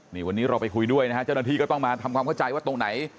นี่วันนี้เราไปคุยด้วยนะฮะเจ้าหน้าที่ก็ต้องมาทำความเข้าใจว่าตรงไหน